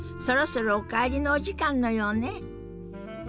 そろそろお帰りのお時間のようね。